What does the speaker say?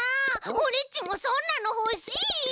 オレっちもそんなのほしい！